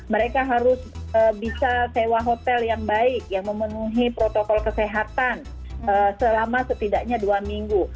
mereka harus bisa sewa hotel yang baik yang memenuhi protokol kesehatan selama setidaknya dua minggu